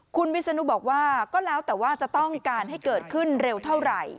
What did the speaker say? คุณวิศนุบอกว่าก็แล้วแต่ว่าจะต้องการให้เกิดขึ้นเร็วเท่าไหร่